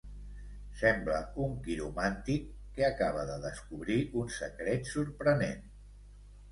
Sembla un quiromàntic que acaba de descobrir un secret sorprenent.